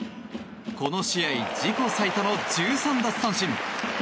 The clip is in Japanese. この試合自己最多の１３奪三振。